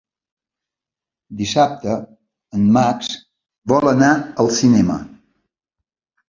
Dissabte en Max vol anar al cinema.